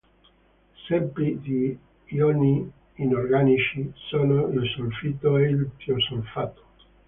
Esempi di ioni inorganici sono il solfito e il tiosolfato.